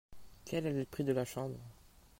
Quel est le prix de la chambre ?